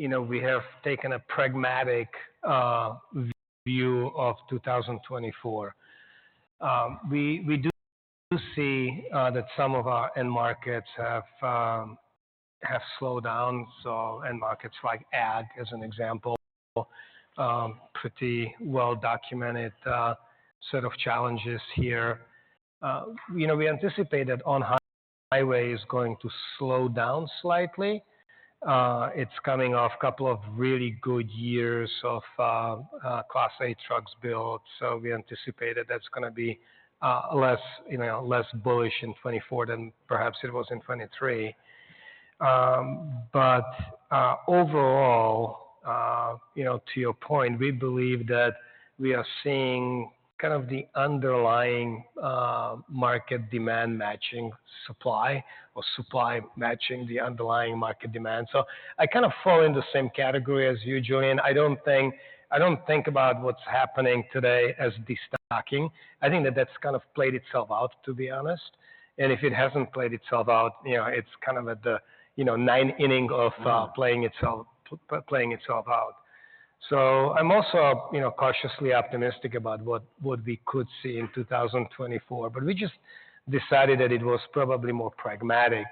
You know, we have taken a pragmatic view of 2024. We do see that some of our end markets have slowed down, so end markets like Ag, as an example, pretty well-documented set of challenges here. You know, we anticipated on-highway is going to slow down slightly. It's coming off a couple of really good years of Class 8 trucks built, so we anticipated that's going to be less, you know, less bullish in 2024 than perhaps it was in 2023. Overall, you know, to your point, we believe that we are seeing kind of the underlying market demand matching supply, or supply matching the underlying market demand. I kind of fall in the same category as you, Julian. I don't think about what's happening today as de-stocking. I think that that's kind of played itself out, to be honest. If it hasn't played itself out, you know, it's kind of at the, you know, ninth inning of playing itself out. I'm also, you know, cautiously optimistic about what we could see in 2024, but we just decided that it was probably more pragmatic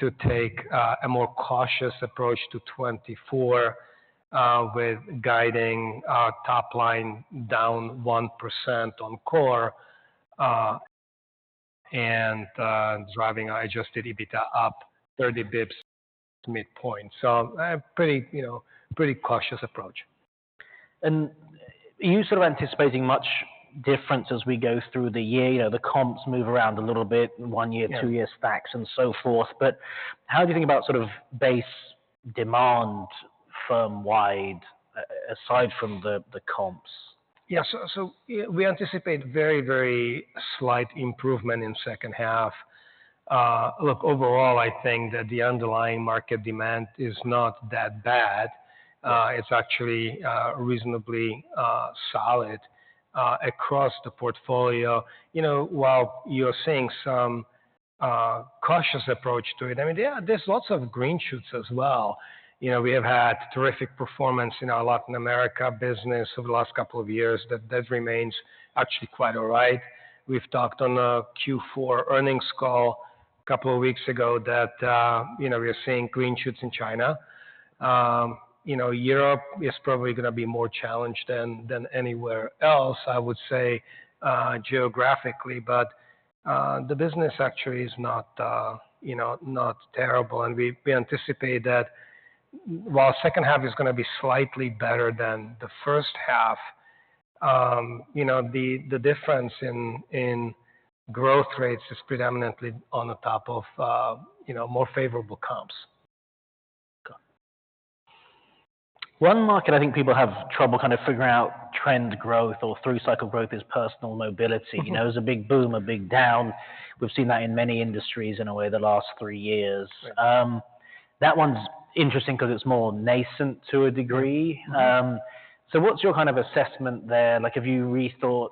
to take a more cautious approach to 2024, with guiding top line down 1% on core, and driving Adjusted EBITDA up 30 basis points midpoint. A pretty, you know, pretty cautious approach. Are you sort of anticipating much difference as we go through the year? You know, the comps move around a little bit, 1-year, 2-year stacks, and so forth, but how do you think about sort of base demand firm-wide, aside from the comps? Yeah, so we anticipate very, very slight improvement in second half. Look, overall, I think that the underlying market demand is not that bad. It's actually reasonably solid across the portfolio. You know, while you're seeing some cautious approach to it, I mean, yeah, there's lots of green shoots as well. You know, we have had terrific performance in our Latin America business over the last couple of years that remains actually quite all right. We've talked on a Q4 earnings call a couple of weeks ago that, you know, we are seeing green shoots in China. You know, Europe is probably going to be more challenged than anywhere else, I would say, geographically, but the business actually is not, you know, not terrible, and we anticipate that while second half is going to be slightly better than the first half, you know, the difference in growth rates is predominantly on the top of, you know, more favorable comps. One market I think people have trouble kind of figuring out trend growth or through-cycle growth is personal mobility. You know, it was a big boom, a big down. We've seen that in many industries in a way the last three years. That one's interesting because it's more nascent to a degree. What's your kind of assessment there? Like, have you rethought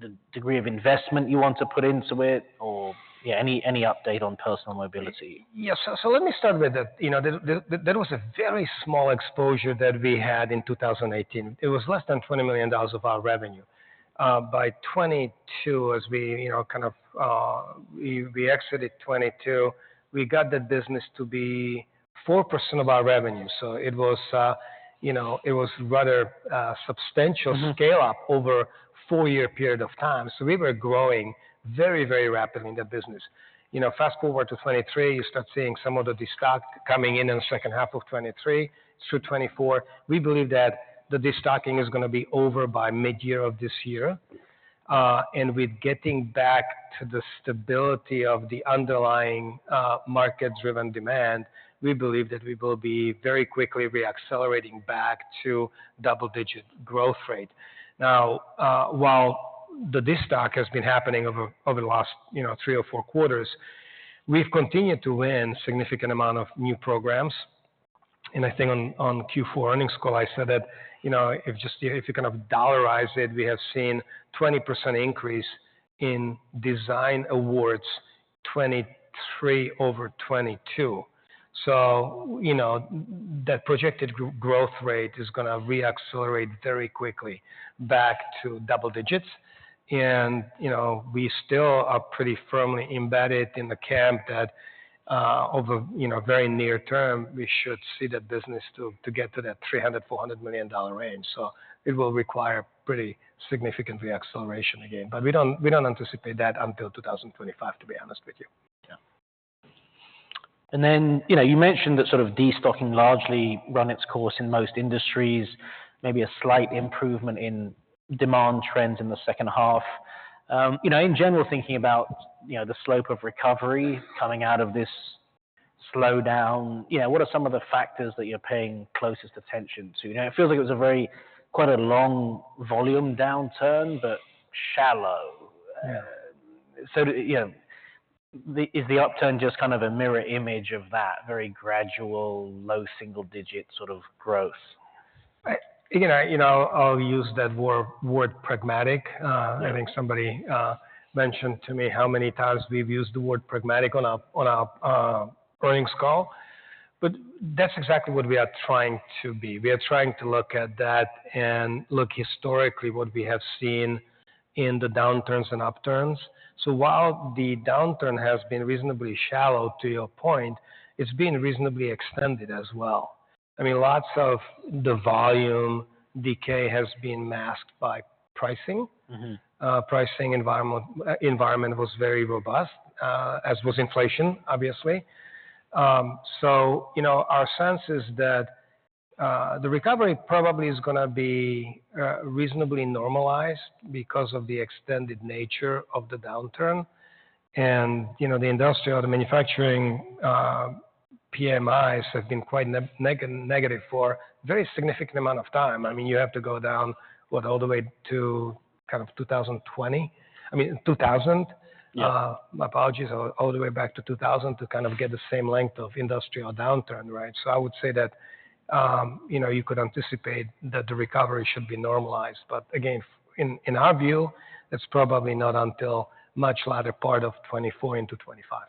the degree of investment you want to put into it, or, yeah, any, any update on personal mobility? Yes, so let me start with that. You know, there was a very small exposure that we had in 2018. It was less than $20 million of our revenue. By 2022, as we, you know, kind of, we exited 2022, we got the business to be 4% of our revenue. It was, you know, it was rather substantial scale-up over a four-year period of time. We were growing very, very rapidly in the business. You know, fast forward to 2023, you start seeing some of the de-stocking coming in in the second half of 2023. Through 2024, we believe that the de-stocking is going to be over by mid-year of this year. With getting back to the stability of the underlying market-driven demand, we believe that we will be very quickly re-accelerating back to double-digit growth rate. Now, while the de-stocking has been happening over the last, you know, 3 or 4 quarters, we've continued to win a significant amount of new programs. I think on the Q4 earnings call, I said that, you know, if you kind of dollarize it, we have seen a 20% increase in design awards 2023 over 2022. You know, that projected growth rate is going to re-accelerate very quickly back to double digits. You know, we still are pretty firmly embedded in the camp that, over, you know, very near term, we should see that business to get to that $300 million-$400 million range. It will require pretty significant re-acceleration again. We don't anticipate that until 2025, to be honest with you. Yeah. Then, you know, you mentioned that sort of de-stocking largely run its course in most industries, maybe a slight improvement in demand trends in the second half. You know, in general, thinking about, you know, the slope of recovery coming out of this slowdown, you know, what are some of the factors that you're paying closest attention to? You know, it feels like it was a very quite a long volume downturn, but shallow. You know, is the upturn just kind of a mirror image of that very gradual, low single-digit sort of growth? You know, I'll use that word pragmatic. I think somebody mentioned to me how many times we've used the word pragmatic on our earnings call. That's exactly what we are trying to be. We are trying to look at that and look historically at what we have seen in the downturns and upturns. While the downturn has been reasonably shallow, to your point, it's been reasonably extended as well. I mean, lots of the volume decay has been masked by pricing. The pricing environment was very robust, as was inflation, obviously. You know, our sense is that the recovery probably is going to be reasonably normalized because of the extended nature of the downturn. You know, the industrial or the manufacturing PMIs have been quite negative for a very significant amount of time. I mean, you have to go down, what, all the way to kind of 2020? I mean, 2000? My apologies, all the way back to 2000 to kind of get the same length of industrial downturn, right? I would say that, you know, you could anticipate that the recovery should be normalized. Again, in, in our view, that's probably not until a much later part of 2024 into 2025.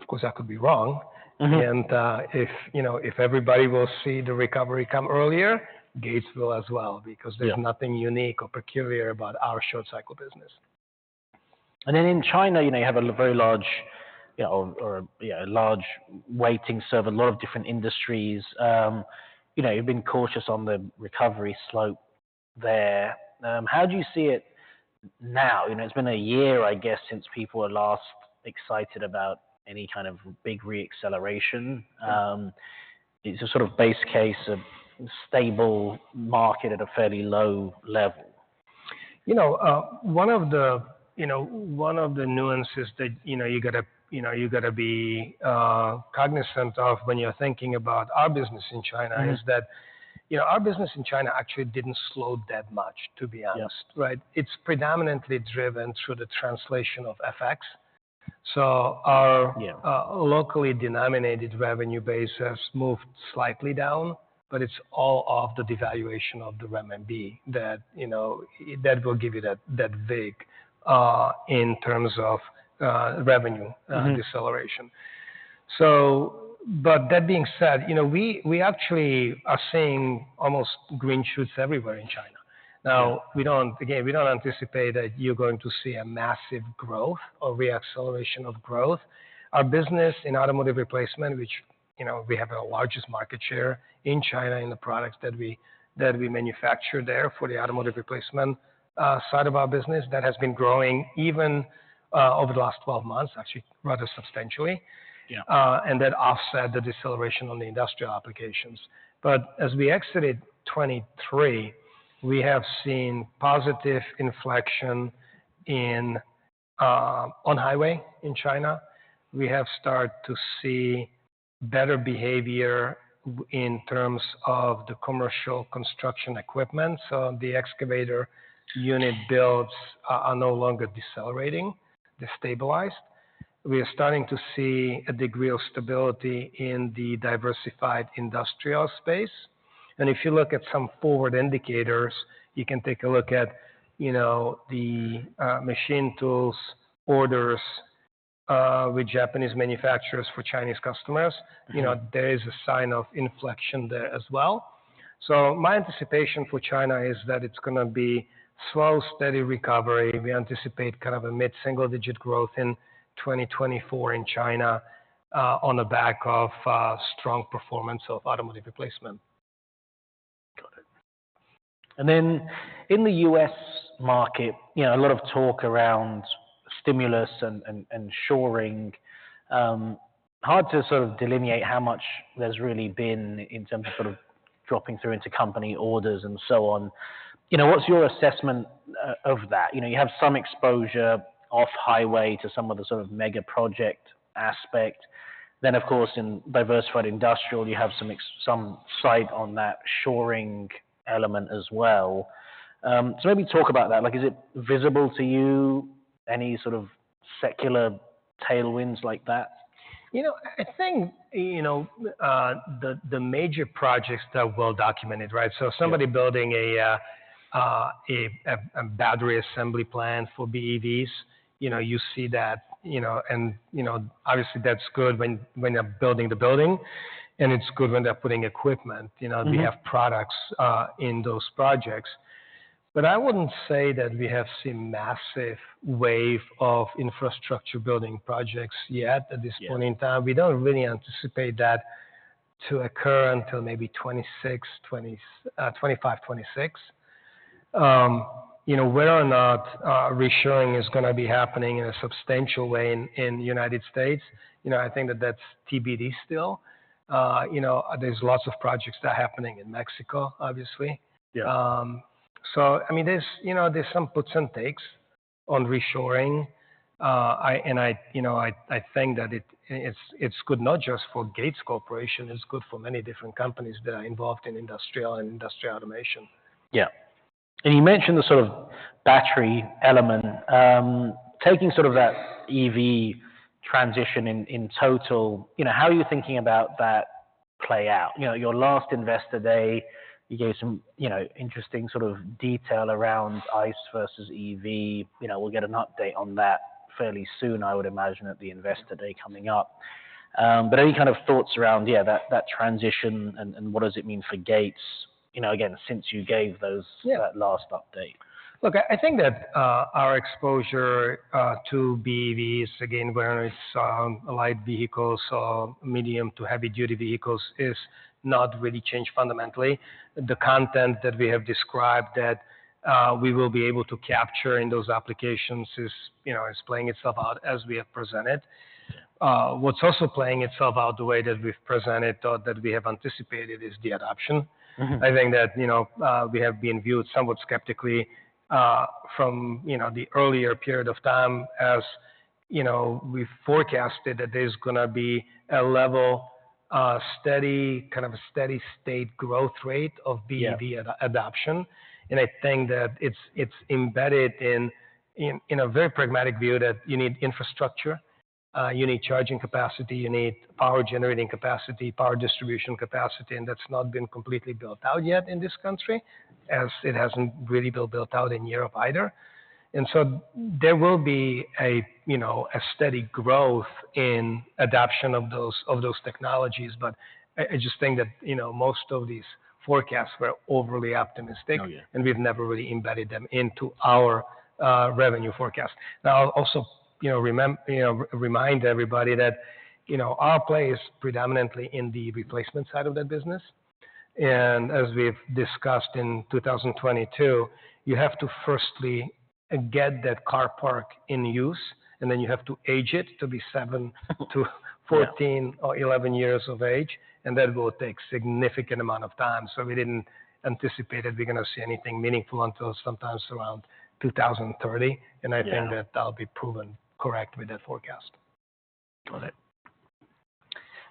Of course, I could be wrong. If, you know, if everybody will see the recovery come earlier, Gates will as well, because there's nothing unique or peculiar about our short-cycle business. Then in China, you know, you have a very large, you know, a large aftermarket service, a lot of different industries. You know, you've been cautious on the recovery slope there. How do you see it now? You know, it's been a year, I guess, since people were last excited about any kind of big re-acceleration. It's a sort of base case of a stable market at a fairly low level. You know, one of the, you know, one of the nuances that, you know, you got to you know, you got to be, cognizant of when you're thinking about our business in China is that, you know, our business in China actually didn't slow that much, to be honest, right? It's predominantly driven through the translation of FX. Our, locally denominated revenue basis moved slightly down, but it's all off the devaluation of the Renminbi that, you know, that will give you that, that vague, in terms of, revenue, deceleration. That being said, you know, we, we actually are seeing almost green shoots everywhere in China. Now, we don't again, we don't anticipate that you're going to see a massive growth or re-acceleration of growth. Our business in automotive replacement, which, you know, we have the largest market share in China in the products that we manufacture there for the automotive replacement side of our business that has been growing even over the last 12 months, actually rather substantially. That offset the deceleration on the industrial applications. As we exited 2023, we have seen positive inflection in on-highway in China. We have started to see better behavior in terms of the commercial construction equipment. The excavator unit builds are no longer decelerating. They're stabilized. We are starting to see a degree of stability in the diversified industrial space. If you look at some forward indicators, you can take a look at, you know, the machine tool orders with Japanese manufacturers for Chinese customers. You know, there is a sign of inflection there as well. My anticipation for China is that it's going to be a slow, steady recovery. We anticipate kind of a mid-single-digit growth in 2024 in China, on the back of strong performance of automotive replacement. Got it. Then in the U.S. market, you know, a lot of talk around stimulus and, and, and reshoring. Hard to sort of delineate how much there's really been in terms of sort of dropping through into company orders and so on. You know, what's your assessment of that? You know, you have some exposure off-highway to some of the sort of mega project aspect. Then, of course, in diversified industrial, you have some exposure, some insight on that reshoring element as well. Maybe talk about that. Like, is it visible to you, any sort of secular tailwinds like that? You know, I think, you know, the major projects that are well documented, right? Somebody building a battery assembly plant for BEVs, you know, you see that, you know, and, you know, obviously that's good when they're building the building. It's good when they're putting equipment, you know, we have products in those projects. I wouldn't say that we have seen a massive wave of infrastructure building projects yet at this point in time. We don't really anticipate that to occur until maybe 2025, 2026. You know, whether or not reshoring is going to be happening in a substantial way in the United States, you know, I think that that's TBD still. You know, there's lots of projects that are happening in Mexico, obviously. I mean, there's, you know, there's some puts and takes on reshoring. You know, I think that it's good not just for Gates Corporation. It's good for many different companies that are involved in industrial and industrial automation. Yeah. You mentioned the sort of battery element, taking sort of that EV transition in, in total, you know, how are you thinking about that play out? You know, your last investor day, you gave some, you know, interesting sort of detail around ICE versus EV. You know, we'll get an update on that fairly soon, I would imagine, at the investor day coming up. Any kind of thoughts around, yeah, that, that transition and, and what does it mean for Gates, you know, again, since you gave those that last update? Look, I think that, our exposure to BEVs, again, whether it's light vehicles or medium to heavy-duty vehicles, is not really changed fundamentally. The content that we have described that we will be able to capture in those applications is, you know, is playing itself out as we have presented. What's also playing itself out the way that we've presented or that we have anticipated is the adoption. I think that, you know, we have been viewed somewhat skeptically, from, you know, the earlier period of time as, you know, we forecasted that there's going to be a level, steady kind of a steady state growth rate of BEV adoption. I think that it's embedded in a very pragmatic view that you need infrastructure, you need charging capacity, you need power generating capacity, power distribution capacity, and that's not been completely built out yet in this country, as it hasn't really been built out in Europe either. There will be a, you know, a steady growth in adoption of those technologies. I just think that, you know, most of these forecasts were overly optimistic, and we've never really embedded them into our revenue forecast. I'll also, you know, remind everybody that, you know, our play is predominantly in the replacement side of that business. As we've discussed in 2022, you have to firstly get that car park in use, and then you have to age it to be 7 to 14 or 11 years of age. That will take a significant amount of time. We didn't anticipate that we're going to see anything meaningful until sometime around 2030. I think that I'll be proven correct with that forecast. Got it.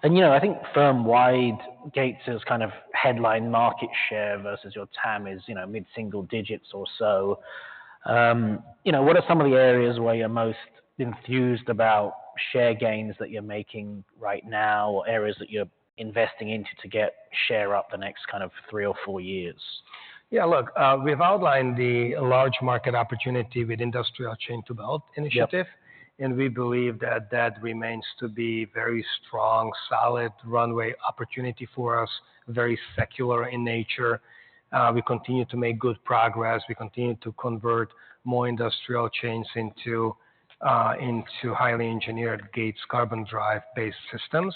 You know, I think firm-wide, Gates's kind of headline market share versus your TAM is, you know, mid-single digits or so. You know, what are some of the areas where you're most enthused about share gains that you're making right now or areas that you're investing into to get share up the next kind of 3 or 4 years? Yeah, look, we've outlined the large market opportunity with the Industrial Chain to Belt Initiative. We believe that that remains to be a very strong, solid runway opportunity for us, very secular in nature. We continue to make good progress. We continue to convert more industrial chains into highly engineered Gates Carbon Drive-based systems.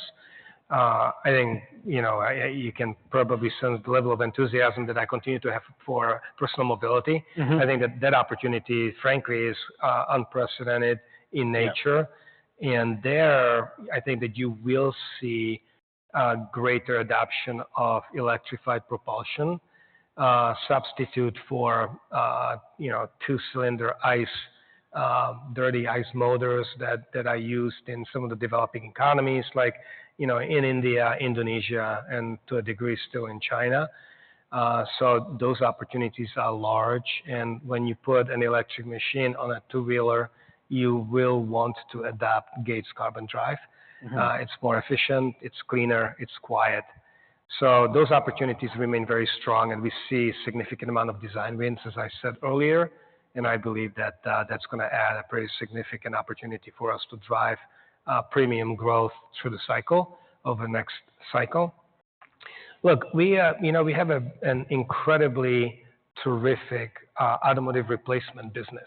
I think, you know, you can probably sense the level of enthusiasm that I continue to have for personal mobility. I think that that opportunity, frankly, is unprecedented in nature. There, I think that you will see greater adoption of electrified propulsion, substitute for, you know, two-cylinder ICE, dirty ICE motors that I used in some of the developing economies, like, you know, in India, Indonesia, and to a degree still in China. Those opportunities are large. When you put an electric machine on a two-wheeler, you will want to adopt Gates Carbon Drive. It's more efficient. It's cleaner. It's quiet. Those opportunities remain very strong, and we see a significant amount of design wins, as I said earlier. I believe that that's going to add a pretty significant opportunity for us to drive premium growth through the cycle over the next cycle. Look, we, you know, we have an incredibly terrific automotive replacement business.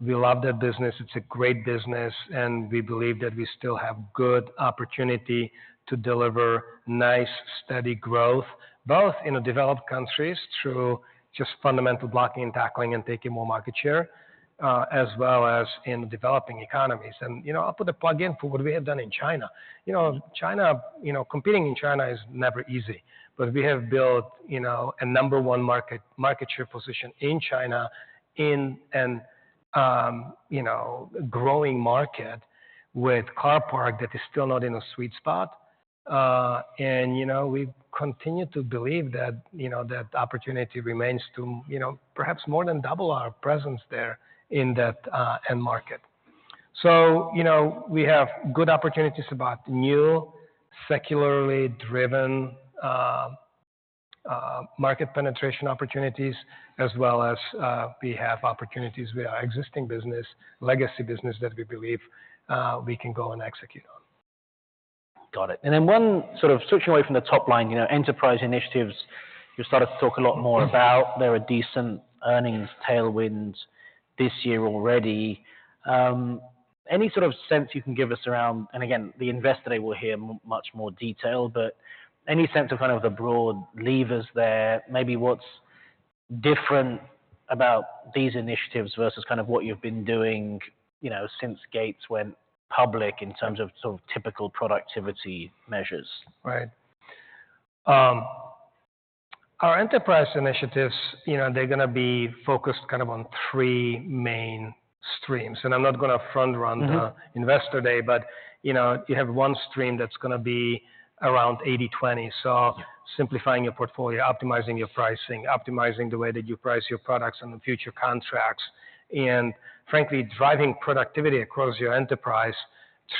We love that business. It's a great business, and we believe that we still have good opportunity to deliver nice, steady growth both in developed countries through just fundamental blocking and tackling and taking more market share, as well as in developing economies. You know, I'll put a plug in for what we have done in China. You know, China, you know, competing in China is never easy, but we have built, you know, a number one market share position in China, in a, you know, growing market with car park that is still not in a sweet spot. You know, we continue to believe that, you know, that opportunity remains to, you know, perhaps more than double our presence there in that end market. You know, we have good opportunities about new, secularly driven, market penetration opportunities, as well as, we have opportunities with our existing business, legacy business that we believe we can go and execute on. Got it. Then, one sort of switching away from the top line, you know, enterprise initiatives, you started to talk a lot more about there are decent earnings tailwinds this year already. Any sort of sense you can give us around, and again, the investor day we'll hear much more detail, but any sense of kind of the broad levers there, maybe what's different about these initiatives versus kind of what you've been doing, you know, since Gates went public in terms of sort of typical productivity measures? Right. Our enterprise initiatives, you know, they're going to be focused kind of on three main streams. I'm not going to front-run the investor day, but, you know, you have one stream that's going to be around 80/20. Simplifying your portfolio, optimizing your pricing, optimizing the way that you price your products on the future contracts, and frankly, driving productivity across your enterprise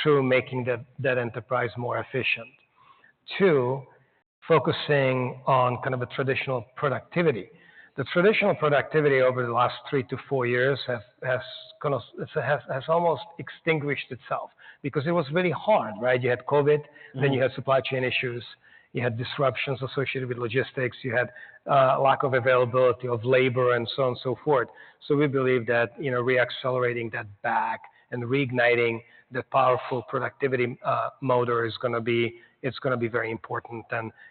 through making that enterprise more efficient. Two, focusing on kind of a traditional productivity. The traditional productivity over the last three to four years has kind of almost extinguished itself because it was really hard, right? You had COVID, then you had supply chain issues. You had disruptions associated with logistics. You had lack of availability of labor and so on and so forth. We believe that, you know, reaccelerating that back and reigniting the powerful productivity motor is going to be. It's going to be very important.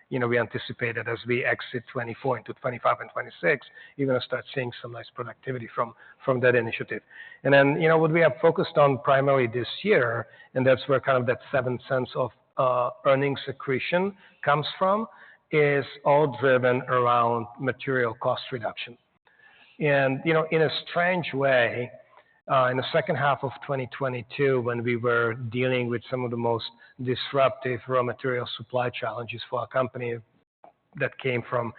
You know, we anticipate that as we exit 2024 into 2025 and 2026, you're going to start seeing some nice productivity from that initiative. Then, you know, what we have focused on primarily this year, and that's where kind of that seventh sense of earnings accretion comes from, is all driven around material cost reduction. You know, in a strange way, in the second half of 2022, when we were dealing with some of the most disruptive raw material supply challenges for our company that came from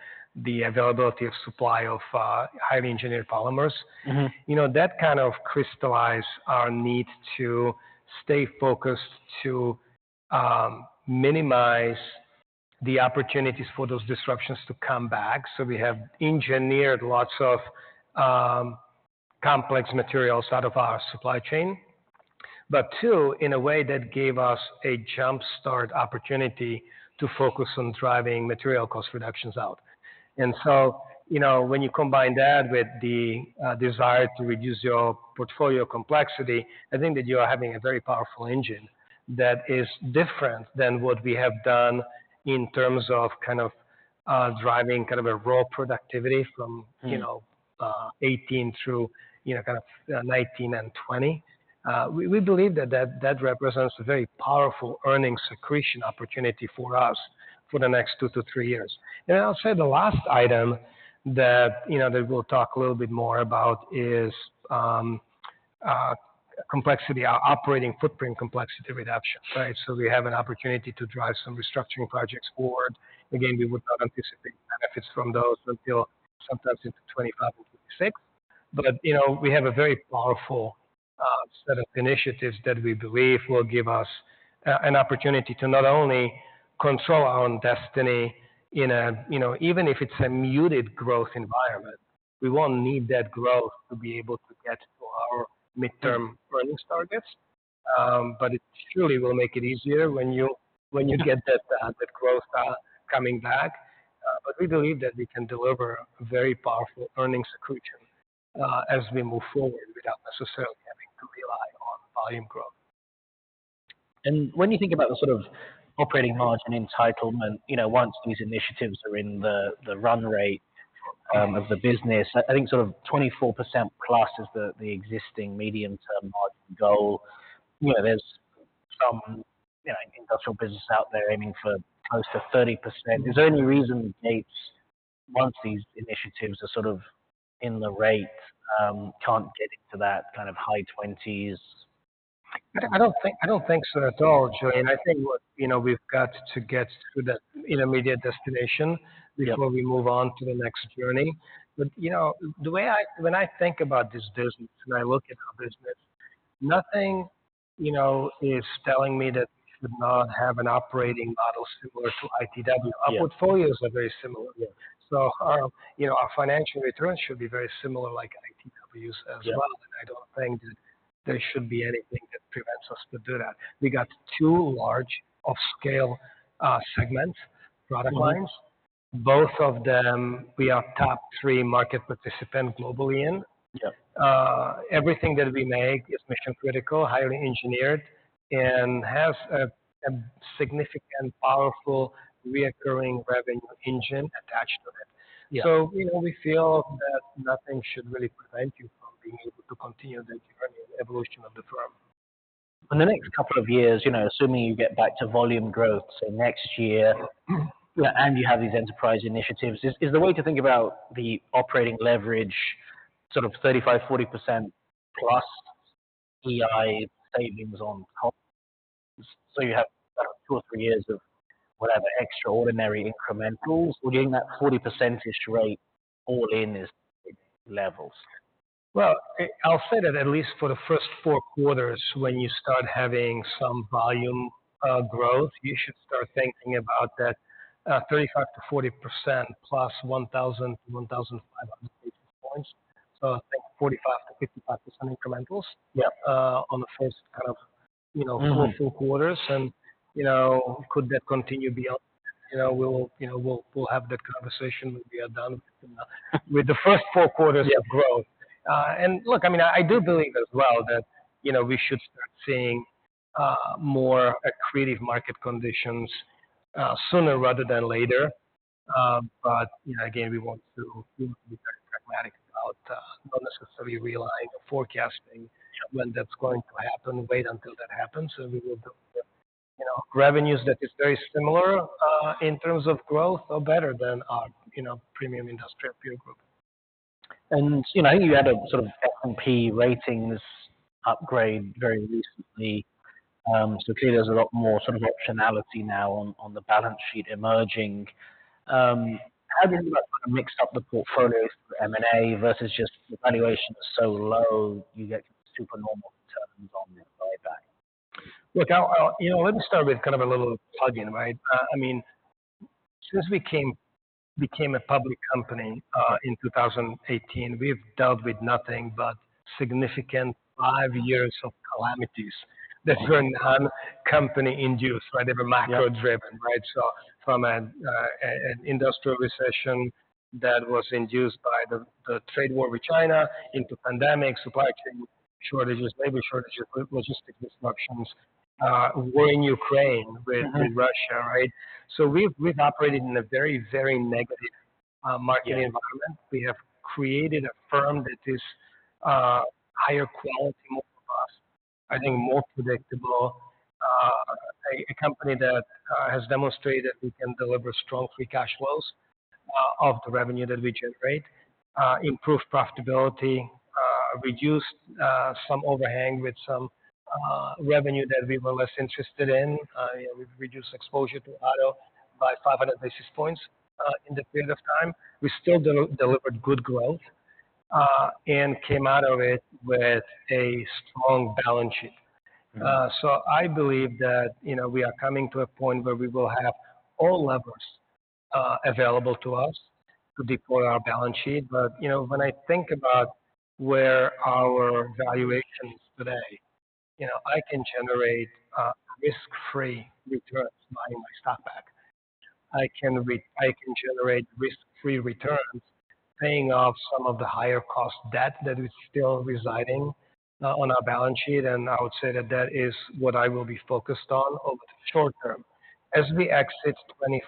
the availability of supply of highly engineered polymers, you know, that kind of crystallized our need to stay focused to minimize the opportunities for those disruptions to come back. We have engineered lots of complex materials out of our supply chain, but too, in a way that gave us a jump-start opportunity to focus on driving material cost reductions out. You know, when you combine that with the desire to reduce your portfolio complexity, I think that you are having a very powerful engine that is different than what we have done in terms of kind of driving kind of a raw productivity from, you know, 2018 through, you know, kind of 2019 and 2020. We believe that that represents a very powerful earnings accretion opportunity for us for the next 2-3 years. Then I'll say the last item that, you know, we'll talk a little bit more about is complexity, our operating footprint complexity reduction, right? We have an opportunity to drive some restructuring projects forward. Again, we would not anticipate benefits from those until sometime into 2025 and 2026. You know, we have a very powerful set of initiatives that we believe will give us an opportunity to not only control our own destiny in a, you know, even if it's a muted growth environment, we won't need that growth to be able to get to our midterm earnings targets. It surely will make it easier when you get that growth coming back. We believe that we can deliver a very powerful earnings accretion as we move forward without necessarily having to rely on volume growth. When you think about the sort of operating margin entitlement, you know, once these initiatives are in the run rate of the business, I think sort of 24% plus is the existing medium-term margin goal. You know, there's some, you know, industrial business out there aiming for close to 30%. Is there any reason Gates, once these initiatives are sort of in the rate, can't get into that kind of high 20s? I don't think so at all, Julian. I think what, you know, we've got to get to that intermediate destination before we move on to the next journey. You know, the way I when I think about this business and I look at our business, nothing, you know, is telling me that we should not have an operating model similar to ITW. Our portfolios are very similar. You know, our financial returns should be very similar, like ITW's as well. I don't think that there should be anything that prevents us to do that. We got two large off-scale, segment product lines. Both of them, we are top three market participants globally in. Everything that we make is mission-critical, highly engineered, and has a significant, powerful recurring revenue engine attached to it. You know, we feel that nothing should really prevent you from being able to continue that journey and evolution of the firm. In the next couple of years, you know, assuming you get back to volume growth, say next year, and you have these enterprise initiatives, is the way to think about the operating leverage sort of 35%-40% plus EI savings on costs? You have 2 or 3 years of whatever extraordinary incrementals. Would you think that 40%-ish rate all-in is levels? Well, I'll say that at least for the first four quarters, when you start having some volume growth, you should start thinking about that, 35%-40% plus 1,000-1,500 basis points. I think 45%-55% incrementals on the first kind of, you know, four full quarters. You know, could that continue beyond that? You know, we'll, you know, we'll have that conversation when we are done with the first four quarters of growth. Look, I mean, I do believe as well that, you know, we should start seeing more accretive market conditions sooner rather than later. You know, again, we want to be very pragmatic about not necessarily relying on forecasting when that's going to happen. Wait until that happens. We will build, you know, revenues that are very similar, in terms of growth, so better than our, you know, premium industrial peer group. You know, I think you had a sort of S&P ratings upgrade very recently. Clearly there's a lot more sort of optionality now on, on the balance sheet emerging. How do you think about kind of mixed-up the portfolio for M&A versus just the valuation is so low, you get kind of supernormal returns on the buyback? Look, I'll you know, let me start with kind of a little plug-in, right? I mean, since we became a public company in 2018, we've dealt with nothing but significant five years of calamities that were non-company-induced, right? They were macro-driven, right? Fom an industrial recession that was induced by the trade war with China into pandemic, supply chain shortages, labor shortages, logistics disruptions, war in Ukraine with Russia, right? We've operated in a very negative market environment. We have created a firm that is higher quality, more robust, I think more predictable, a company that has demonstrated we can deliver strong free cash flows of the revenue that we generate, improved profitability, reduced some overhang with some revenue that we were less interested in. You know, we've reduced exposure to auto by 500 basis points in the period of time. We still delivered good growth, and came out of it with a strong balance sheet. I believe that, you know, we are coming to a point where we will have all levers available to us to deploy our balance sheet. You know, when I think about where our valuation is today, you know, I can generate risk-free returns buying my stock back. I can generate risk-free returns paying off some of the higher-cost debt that is still residing on our balance sheet. I would say that that is what I will be focused on over the short term. As we exit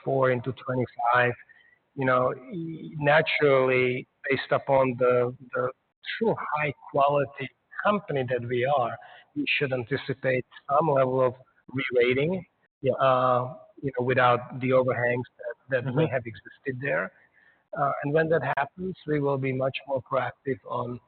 2024 into 2025, you know, naturally, based upon the true high-quality company that we are, we should anticipate some level of re-rating, you know, without the overhangs that may have existed there. When that happens, we will be much more proactive on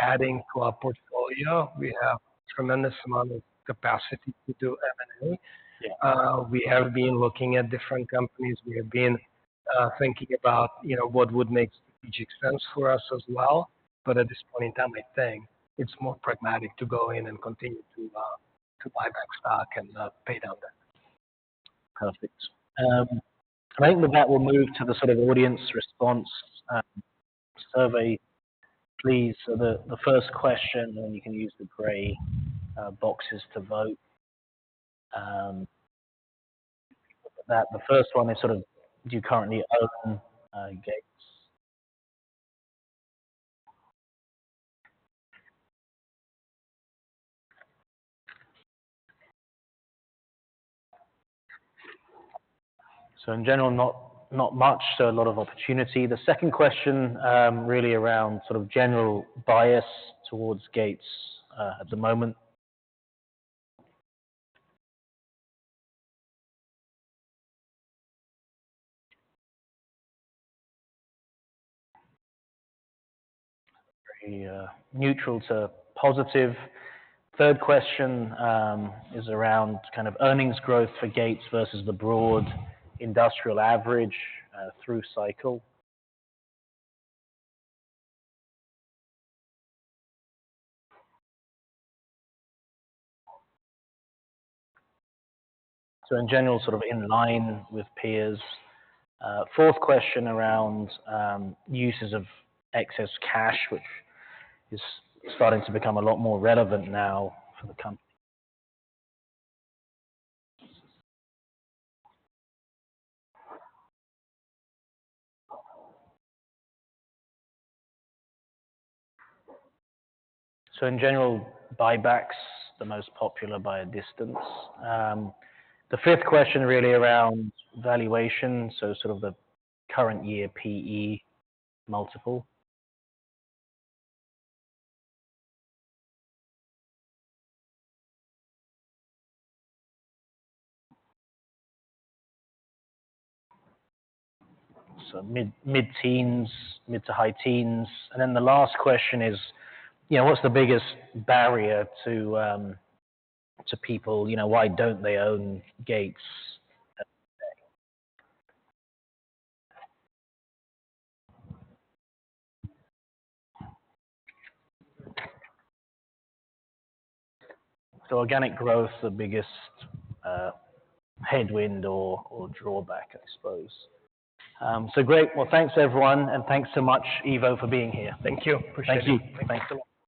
adding to our portfolio. We have a tremendous amount of capacity to do M&A. We have been looking at different companies. We have been thinking about, you know, what would make strategic sense for us as well. At this point in time, I think it's more pragmatic to go in and continue to buy back stock and pay down debt. Perfect. I think with that, we'll move to the sort of audience response, survey, please. The first question, and then you can use the gray boxes to vote. Look at that. The first one is sort of, do you currently own Gates? In general, not much.A lot of opportunity. The second question, really around sort of general bias towards Gates, at the moment. Very neutral to positive. Third question is around kind of earnings growth for Gates versus the broad industrial average, through cycle. In general, sort of in line with peers. Fourth question around uses of excess cash, which is starting to become a lot more relevant now for the company. In general, buybacks, the most popular by a distance. The fifth question really around valuation, so sort of the current year PE multiple. Mid-teens, mid to high-teens. Then the last question is, you know, what's the biggest barrier to people, you know, why don't they own Gates today? Organic growth, the biggest headwind or drawback, I suppose. Great. Well, thanks, everyone. Thanks so much, Ivo, for being here. Thank you. Appreciate it. Thank you. Thanks a lot.